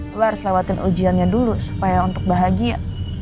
mbak harus lewati ujiannya dulu supaya untuk bahagia